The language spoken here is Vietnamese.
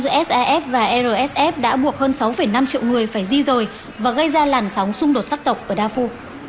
giữa saf và rsf đã buộc hơn sáu năm triệu người phải di rời và gây ra làn sóng xung đột sắc tộc ở đa phu